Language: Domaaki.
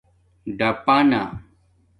ڈپݳنہ